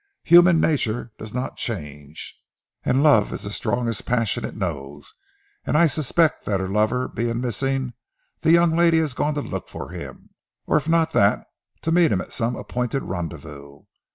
Human nature does not change, and love is the strongest passion it knows, and I suspect that her lover being missing, the young lady has gone to look for him, or if not that to meet him at some appointed rendezvous.